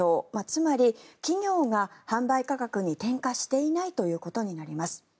つまり、企業が販売価格に転嫁していないということになります。